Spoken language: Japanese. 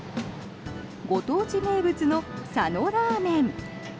ご当地名物の佐野ラーメン。